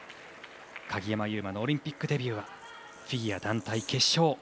鍵山優真のオリンピックデビューはフィギュア団体決勝。